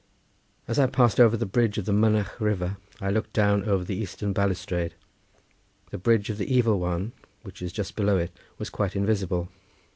As I passed over the bridge of the Mynach River I looked down over the eastern balustrade. The Bridge of the Evil One, which is just below it, was quite invisible.